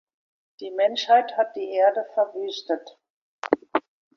Die Menschheit hat die Erde verwüstet.